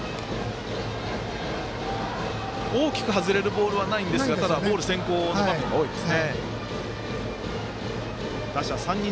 大きく外れるボールはないんですがボール先行の場面が多いです。